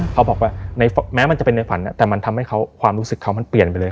เขาบอกว่าแม้มันจะเป็นในฝันแต่มันทำให้ความรู้สึกเขามันเปลี่ยนไปเลย